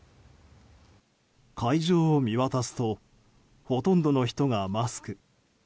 会場を見渡すとほとんどの人がマスク。